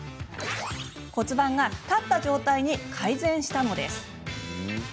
骨盤が立った状態に改善したのです。